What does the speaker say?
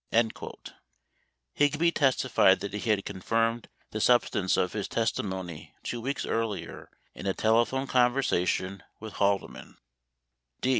6 Higby testified that he had confirmed the substance of his testimony 2 weeks earlier in a telephone conversation with Haldeman.